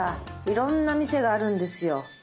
いろんな店があるんですよ。